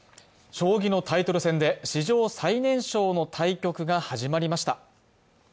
将棋のタイトル戦で史上最年少の対局が始まりました